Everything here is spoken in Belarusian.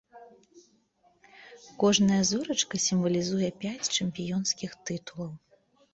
Кожная зорачка сімвалізуе пяць чэмпіёнскіх тытулаў.